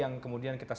dan kemudian diberi